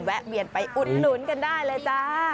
แวะเวียนไปอุดหลุนกันได้เลยจ้า